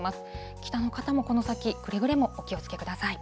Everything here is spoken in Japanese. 北の方もこの先、くれぐれもお気をつけください。